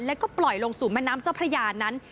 แล้วก็ปล่อยลงสู่แม่น้ำเจ้าพระยานั้น